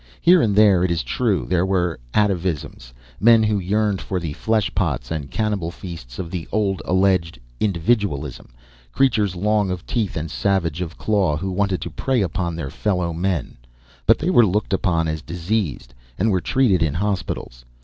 Here and there, it is true, there were atavisms, men who yearned for the flesh pots and cannibal feasts of the old alleged "individualism," creatures long of teeth and savage of claw who wanted to prey upon their fellow men; but they were looked upon as diseased, and were treated in hospitals.